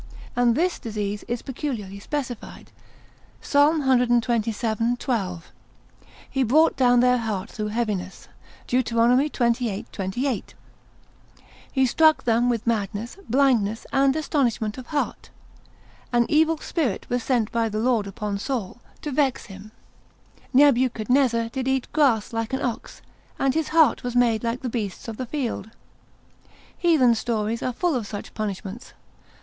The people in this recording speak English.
And this disease is peculiarly specified, Psalm cxxvii. 12. He brought down their heart through heaviness. Deut. xxviii. 28. He struck them with madness, blindness, and astonishment of heart. An evil spirit was sent by the Lord upon Saul, to vex him. Nebuchadnezzar did eat grass like an ox, and his heart was made like the beasts of the field. Heathen stories are full of such punishments.